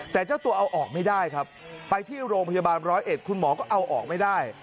แต่เจ้าตัวเอาออกไม่ได้ครับไปที่โรงพยาบาลร้อยเอ็ดคุณหมอก็เอาออกไม่ได้